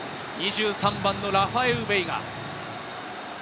２３番のラファエウ・ベイガ。